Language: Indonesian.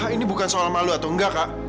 ini bukan soal malu atau enggak kak